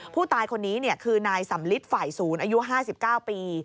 ผู้ตายคนนี้คือนายสำลิดฝ่ายศูนย์อายุ๕๙ปี